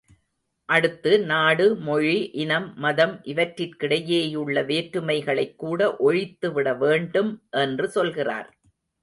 அடுத்து நாடு, மொழி, இனம், மதம் இவற்றிற்கிடையேயுள்ள வேற்றுமைகளைக்கூட ஒழித்துவிட வேண்டும் என்று சொல்கிறார்.